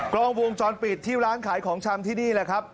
กล้องวงจรปิดที่ร้านขายของชำที่นี่แหละครับ